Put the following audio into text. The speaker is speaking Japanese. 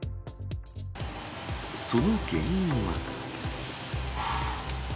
その原因は。